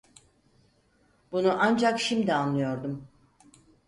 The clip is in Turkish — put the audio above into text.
Bunu ancak şimdi anlıyordum.